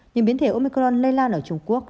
nhưng biến thể omicron lây lao nở trung quốc